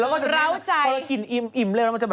แล้วก็จะกลัวแบบเรารู้กินอิ่มเร็วมันจะแบบว่า